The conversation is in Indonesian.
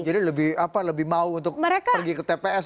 jadi lebih mau untuk pergi ke tps